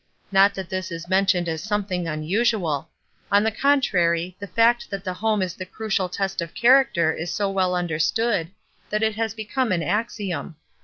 Not that this is mentioned as something unusual; on the contrary, the fact that the home is the crucial test of character is so well understood that it has become an axiom.